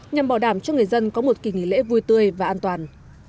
nhằm bảo đảm cho người dân có một kỳ nghỉ lễ vui tươi và an toàn